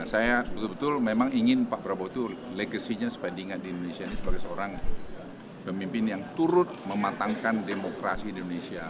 saya memang ingin pak prabowo itu legasinya sebandingnya di indonesia ini sebagai seorang pemimpin yang turut mematangkan demokrasi di indonesia